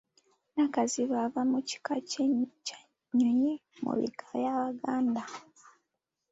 Nakazibwe ava mu kika kya nnyonyi mu bika by'Abaganda.